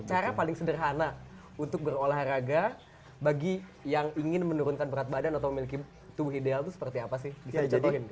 cara paling sederhana untuk berolahraga bagi yang ingin menurunkan berat badan atau memiliki tubuh ideal itu seperti apa sih bisa dijatuhin